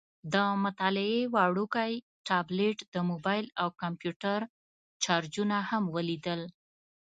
د مطالعې وړوکی ټابلیټ، د موبایل او کمپیوټر چارجرونه هم ولیدل.